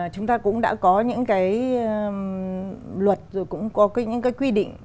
chúng ta đã có những quy định